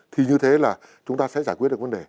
thì như thế là chúng ta sẽ giải quyết được vấn đề